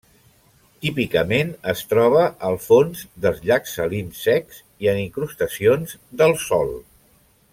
Típicament es troba al fons dels llacs salins secs i en incrustacions del sòl.